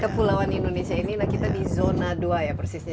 kepulauan indonesia inilah kita di zona dua ya persisnya